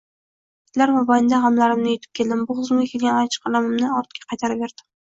Yillar mobaynida g`amlarimni yutib keldim, bo`g`zimga kelgan achchiq allanimani ortga qaytaraverdim